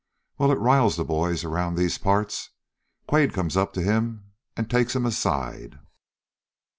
Well, it riles the boys around these parts. Quade comes up to him and takes him aside.